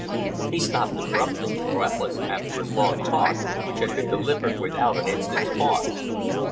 He stopped abruptly, breathless after his long talk, which had been delivered without an instant's pause.